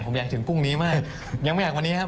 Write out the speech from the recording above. ผมอยากถึงพรุ่งนี้มากยังไม่อยากวันนี้ครับ